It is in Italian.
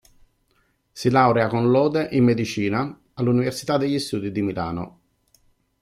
Si laurea, con lode, in medicina all'Università degli Studi di Milano.